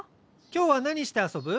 今日は何して遊ぶ？